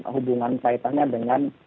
hubungan kaitannya dengan